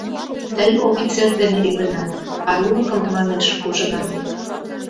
Тый офицер дене иленат, арулыкым, манеш, ужынат.